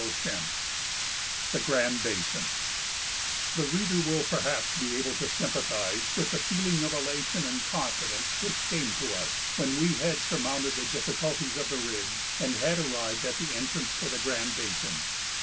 CHAPTER IV THE GRAND BASIN The reader will perhaps be able to sympathize with the feeling of elation and confidence which came to us when we had surmounted the difficulties of the ridge and had arrived at the entrance to the Grand Basin.